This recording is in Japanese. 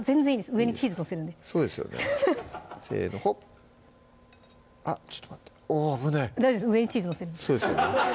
上にチーズ載せるんでそうですよねせのほっあっちょっと待って危ねぇ大丈夫上にチーズ載せるんでそうですよね